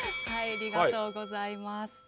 ありがとうございます。